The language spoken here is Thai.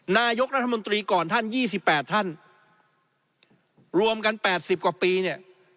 นายกรัฐมนตรีก่อนท่าน๒๘ท่านรวมกัน๘๐กว่าปีเนี่ย